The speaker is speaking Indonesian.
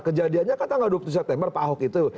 kejadiannya kan tanggal dua puluh september pak ahok itu